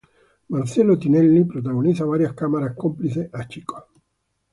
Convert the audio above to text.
Marcelo Tinelli protagoniza varias "cámaras cómplices" a chicos.